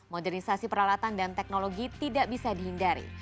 modernisasi peralatan dan teknologi tidak bisa dihindari